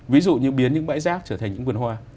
ví dụ như biến những bãi rác trở thành những vườn hoa